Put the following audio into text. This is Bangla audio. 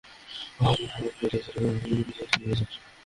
বাবারও মনে হবে তুমি সত্যিই ধীরে ধীরে আত্মনির্ভরশীলতার দিকে এগিয়ে যাচ্ছ।